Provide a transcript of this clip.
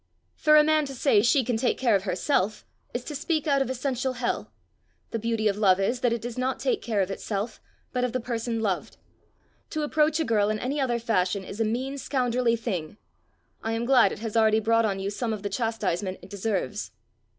For a man to say 'she can take care of herself,' is to speak out of essential hell. The beauty of love is, that it does not take care of itself, but of the person loved. To approach a girl in any other fashion is a mean scoundrelly thing. I am glad it has already brought on you some of the chastisement it deserves."